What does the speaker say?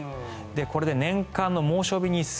これで年間の猛暑日日数